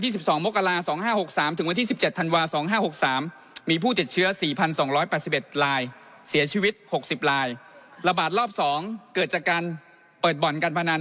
เสียชีวิต๖๐ลายระบาดรอบ๒เกิดจากการเปิดบ่อนการพนัน